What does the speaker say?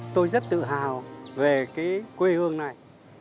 tôi rất tự hào về quê hương này